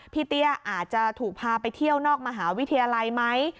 เตี้ยอาจจะถูกพาไปเที่ยวนอกมหาวิทยาลัยไหม